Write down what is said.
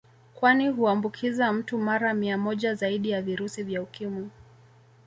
Kwani huambukiza mtu mara mia moja zaidi ya virusi vya Ukimwi